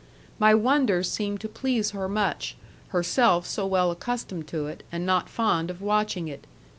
My wonder seemed to please her much, herself so well accustomed to it, and not fond of watching it.